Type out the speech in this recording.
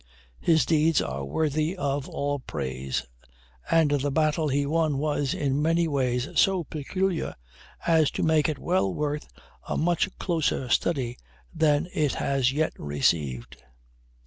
His deeds are worthy of all praise, and the battle he won was in many ways so peculiar as to make it well worth a much closer study than it has yet received.